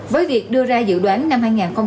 với việc đưa ra dự đoán năm hai nghìn hai mươi